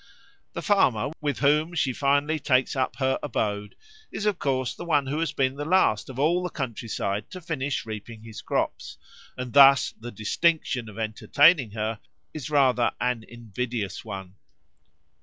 The farmer with whom she finally takes up her abode is of course the one who has been the last of all the countryside to finish reaping his crops, and thus the distinction of entertaining her is rather an invidious one.